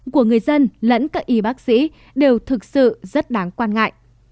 của người dân lẫn các y bác sĩ đều thực sự rất đáng quan ngại